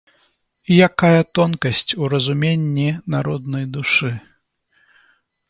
І якая тонкасць у разуменні народнай душы!